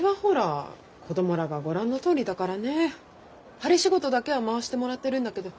針仕事だけは回してもらってるんだけど。